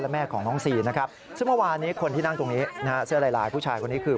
เมื่อวานนี้คนที่นั่งตรงนี้เสื้อหลายผู้ชายคนนี้คือ